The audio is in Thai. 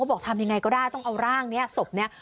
บอกทำยังไงก็ได้ต้องเอาร่างนี้ศพนี้